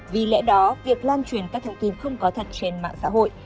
vì lẽ đó việc lan truyền các thông tin không có thật trên mạng xã hội